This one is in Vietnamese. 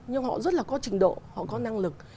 nhưng họ rất là có trình độ họ có năng lực